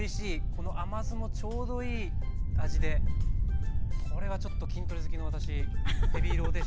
この甘酢もちょうどいい味でこれはちょっと筋トレ好きの私ヘビーローテーションの予感です。